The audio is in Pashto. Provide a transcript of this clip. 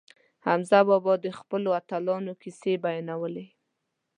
حمزه بابا د خپلو اتلانو کیسې بیانولې.